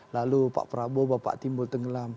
lalu pak prabowo bapak timbul tenggelam